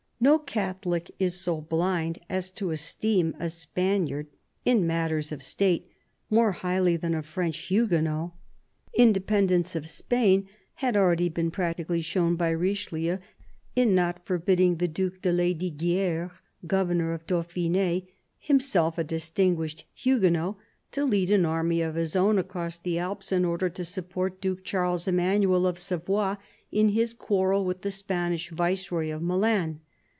" No Catholic is so blind as to esteem a Spaniard, in matters of State, more highly than a French Huguenot." Independence of Spain had already been practically shown by Richelieu in not forbidding the Due de Les diguieres, governor of Dauphine, himself a distinguished Huguenot, to lead an army of his own across the Alps in order to support Duke Charles Emmanuel of Savoy in his quarrel with the Spanish Viceroy of Milan.